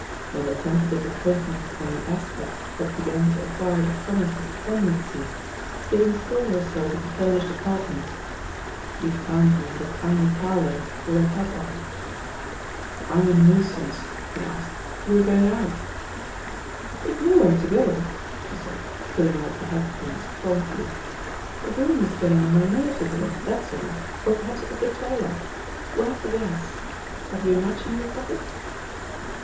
When a tentative appointment on The jispeci had begun to acquire the promise of permanency, she had installed herself in furnished apartments. He foimd her in the tiny parlour with her hat on. (227 je«8 THE POSITION OP PEGGY HARPER "I*m a nuisance?" he asked. "You were going out." "With nowhere to go!" she said, pulling out the hat pins promptly. "The room was getting on my nerves a little, that's all, or perhaps it was the twilight — we'll have the gas; have you a match in your pocket?"